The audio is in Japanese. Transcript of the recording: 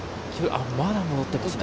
あっ、戻ってますね。